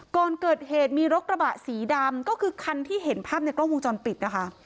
ก่อนเกิดเหตุมีรถกระบะสีดำก็คือคันที่เห็นภาพในกล้องวงจรปิดนะคะ